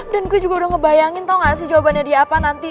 dan gue juga udah ngebayangin tau gak sih jawabannya dia apa nanti